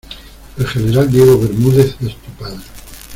el general Diego Bermúdez es tu padre.